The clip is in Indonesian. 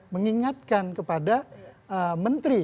mengingatkan kepada menteri